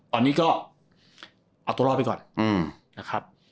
ตอนนี้ก็เอาตัวรอดไปก่อนนะครับ